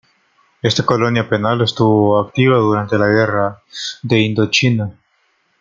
Esta colonia penal estuvo activa durante la Guerra de Indochina.